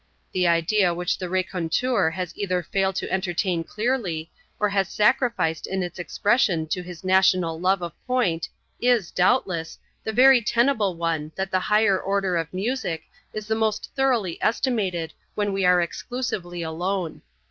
The idea which the raconteur has either failed to entertain clearly, or has sacrificed in its expression to his national love of point, is, doubtless, the very tenable one that the higher order of music is the most thoroughly estimated when we are exclusively alone.